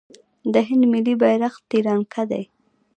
د هند ملي بیرغ تیرانګه دی.